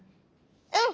うん！